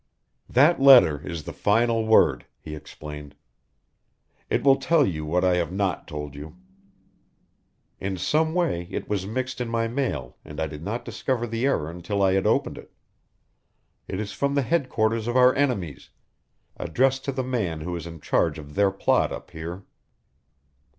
"That letter is the final word," he explained. "It will tell you what I have not told you. In some way it was mixed in my mail and I did not discover the error until I had opened it. It is from the headquarters of our enemies, addressed to the man who is in charge of their plot up here."